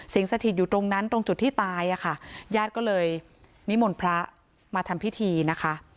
สถิตอยู่ตรงนั้นตรงจุดที่ตายอะค่ะญาติก็เลยนิมนต์พระมาทำพิธีนะคะ